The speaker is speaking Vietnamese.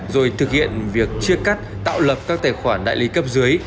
rồi thực hiện việc chia cắt tạo lập các tài khoản đại lý cấp dưới